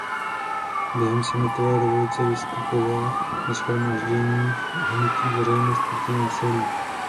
Během sametové revoluce vystupoval na shromážděních hnutí Veřejnost proti násilí.